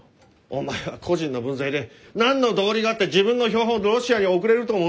お前は個人の分際で何の道理があって自分の標本をロシアに送れると思うんだ？